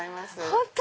本当